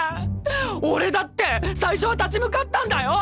俺だって最初は立ち向かったんだよ